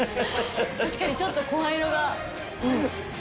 確かにちょっと声色が。